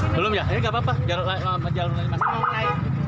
belum ya ini gak apa apa jalur lain